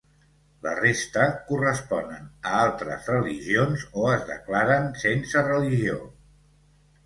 La resta corresponen a altres religions o es declaren sense religió.